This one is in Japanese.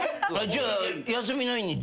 じゃあ。